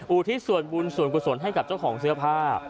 อุทิศส่วนบุญส่วนกุศลให้กับเจ้าของเสื้อผ้า